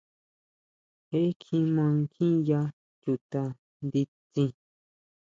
Je kjima nkjiya chuta nditsin.